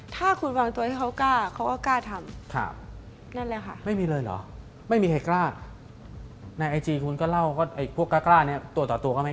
ถ้าคุณวางตัวให้เขากล้าเขาก็กล้าทำ